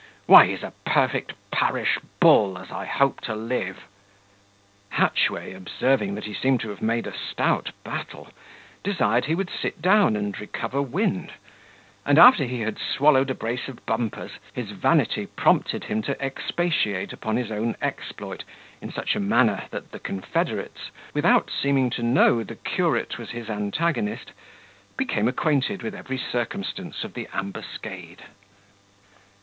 Why, he's a perfect parish bull, as I hope to live." Hatchway, observing that he seemed to have made a stout battle, desired he would sit down and recover wind; and after he had swallowed a brace of bumpers, his vanity prompted him to expatiate upon his own exploit in such a manner, that the confederates, without seeming to know the curate was his antagonist, became acquainted with every circumstance of the ambuscade.